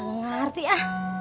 enggak ngerti ya